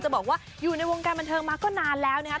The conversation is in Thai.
บอกว่าอยู่ในวงการบันเทิงมาก็นานแล้วนะครับ